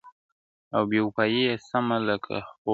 او بېوفايي ، يې سمه لکه خور وگڼه.